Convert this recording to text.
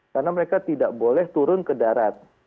karena mereka tidak boleh turun ke darat